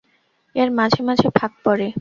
এখন মাঝে মাঝে ফাঁক পড়ে।